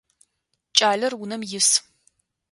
Кӏалэр унэм ис.